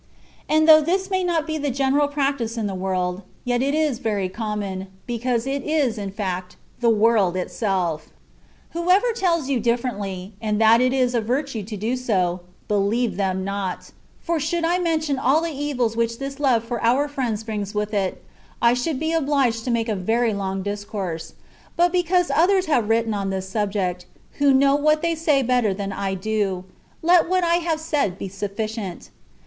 And though this mr y not be the general practice in the world, yet it is very common, because it is, in fact, the world itself. Whoever tells you dififerently, and that it is a virtue to do so, believe them not; for should I mention all the evils which this love for our friends brings with it, I should be obUged to make a very long discourse; but because others have written on this subject, who know what they say better than I do, let what I have said be sufficient.